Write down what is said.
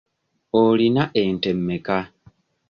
Oyina ente mmeka?